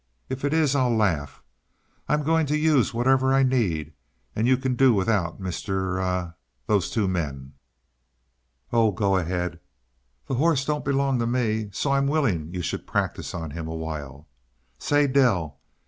If it is, I'll laugh. I'm going to use whatever I need and you can do without Mr. er those two men." "Oh, go ahead. The horse don't belong to ME, so I'm willing you should practice on him a while. Say! Dell!